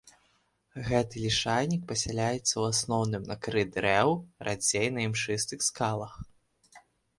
Гэты лішайнік пасяляецца ў асноўным на кары дрэў, радзей на імшыстых скалах.